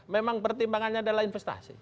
memang pertimbangannya adalah investasi